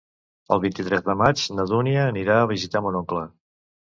El vint-i-tres de maig na Dúnia anirà a visitar mon oncle.